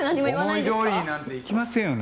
思いどおりになんていきませんよ